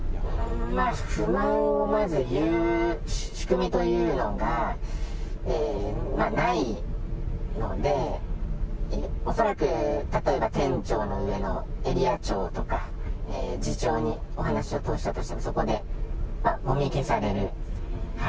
不満をまず言う仕組みというのがないので、恐らく、例えば店長の上のエリア長とか、次長にお話を通したとしても、そこでもみ消される。